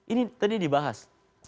ini tadi dibahas